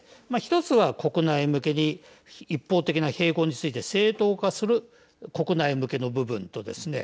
１つは、国内向けに一方的な併合について正当化する国内向けの部分とですね